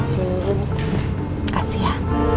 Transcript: terima kasih ya